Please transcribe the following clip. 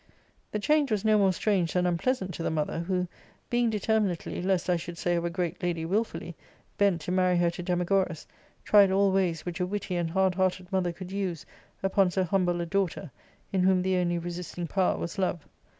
The change was no more strange than unpleasant to the mother, who, being determinately, lest I should say of a great lady wilfully, bent to marry her to Demagoras, tried all ways which a witty* and hard hearted mother could use upon so humble a daughter, in whom the only resisting power was love.